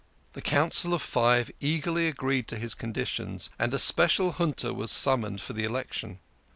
The Council of Five eagerly agreed to his conditions, and a special junta was summoned for the election.